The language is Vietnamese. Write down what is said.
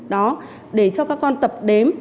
đó để cho các con tập đếm